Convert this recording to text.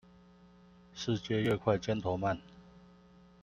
世界越快尖頭鰻